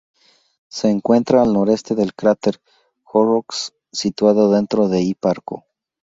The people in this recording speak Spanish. Se encuentra al noreste del cráter Horrocks, situado dentro de Hiparco.